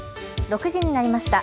６時になりました。